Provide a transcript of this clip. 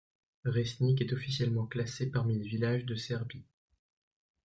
Resnik est officiellement classé parmi les villages de Serbie.